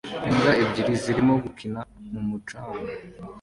Imbwa ebyiri zirimo gukina mu mucanga